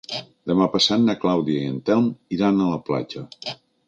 Demà passat na Clàudia i en Telm iran a la platja.